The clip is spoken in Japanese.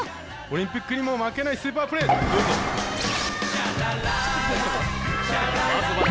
オリンピックにも負けないスーパープレー、どうぞ！